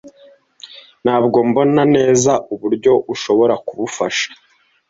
"Ntabwo mbona neza uburyo ushobora kubufasha.